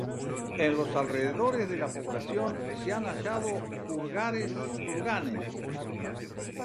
En los alrededores de la población se han hallado kurganes.